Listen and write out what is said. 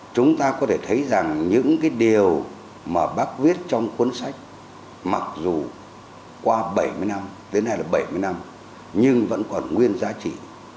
chúng ta có thể thấy rằng những cái điều mà bác viết trong cuốn sách mặc dù qua bảy mươi năm đến nay là bảy mươi năm nhưng vẫn còn nguyên giá trị